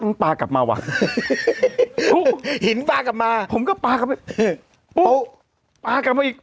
ปลากลับมาว่ะหินปลากลับมาผมก็ปลากลับไปปุ๊บปลากลับมาอีก